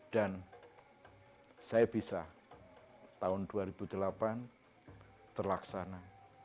dan saya bisa tahun dua ribu delapan terlaksana